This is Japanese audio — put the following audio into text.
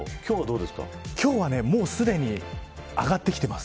今日はもうすでに上がってきています。